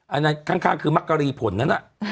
อันนั้นข้างคือมะกะลีผลนั้นอ่ะ